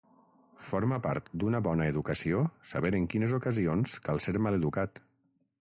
Forma part d'una bona educació saber en quines ocasions cal ser maleducat.